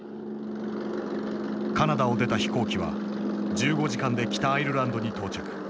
カナダを出た飛行機は１５時間で北アイルランドに到着。